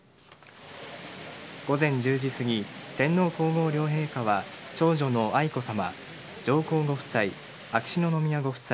午前１０時すぎ天皇皇后両陛下は長女の愛子さま上皇ご夫妻